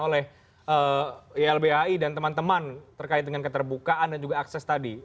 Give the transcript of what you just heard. oleh ylbhi dan teman teman terkait dengan keterbukaan dan juga akses tadi